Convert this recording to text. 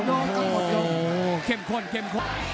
โอว้ว้วเข้มข้นเข้มข้น